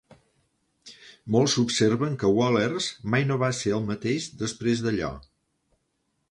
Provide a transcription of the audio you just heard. Molts observen que Wohlers mai no va ser el mateix després d'allò.